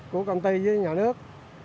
của công ty với nhà nước